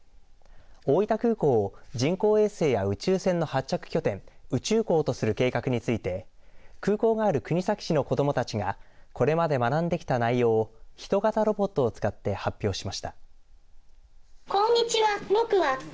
大分空港を人工衛星や宇宙船の発着拠点宇宙港とする計画について空港がある国東市の子どもたちがこれまで学んできた内容を人型ロボットを使って発表しました。